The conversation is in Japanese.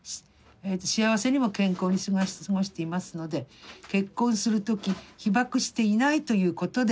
幸せにも健康に過ごしていますので結婚する時被爆していないということで結婚させたと。